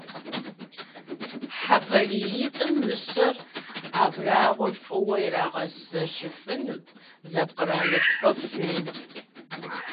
ХьэпариитӀым мыщэ абрагъуэр фӀыуэ ирагъэзэшыфынут, зэпкърамытхъыфми.